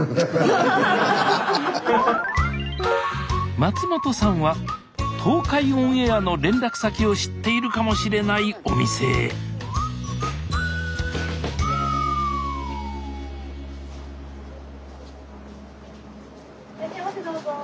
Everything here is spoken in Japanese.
松本さんは東海オンエアの連絡先を知っているかもしれないお店へこんちは。